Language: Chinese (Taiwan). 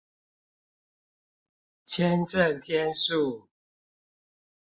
簽證天數